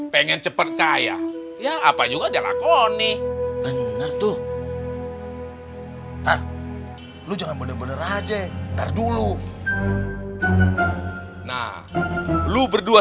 pengen cepet kaya ya apa juga jalan koni bener tuh lu jangan bener bener aja ntar dulu nah lu berdua